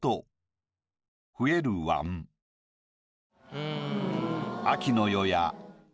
うん。